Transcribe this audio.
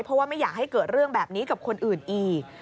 เพราะว่าไม่อยากให้เกิดเรื่องแบบนี้กับคนอื่นอีก